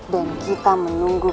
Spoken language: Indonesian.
dan kita menunggu